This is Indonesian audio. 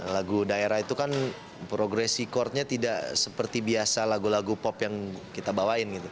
lagu daerah itu kan progresi courtnya tidak seperti biasa lagu lagu pop yang kita bawain gitu